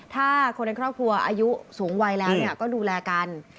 ถ้าคนในครอบครัวอายุสูงวัยแล้วก็ดูแลกัน